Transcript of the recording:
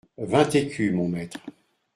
Vingt écus, notre maître.